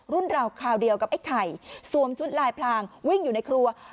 ราวคราวเดียวกับไอ้ไข่สวมชุดลายพลางวิ่งอยู่ในครัว